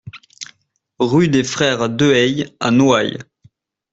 Rue des Frères Deheille à Noailles